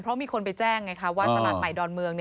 เพราะมีคนไปแจ้งไงคะว่าตลาดใหม่ดอนเมือง